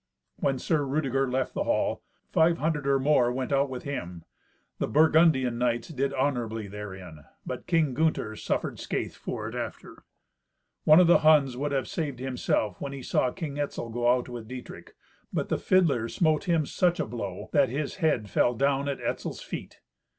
When Sir Rudeger left the hall, five hundred or more went out with him. The Burgundian knights did honourably therein, but King Gunther suffered scathe for it after. One of the Huns would have saved himself when he saw King Etzel go out with Dietrich, but the fiddler smote him such a blow that his head fell down at Etzel's feet.